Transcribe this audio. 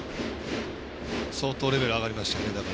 相当レベル上がりましたよね。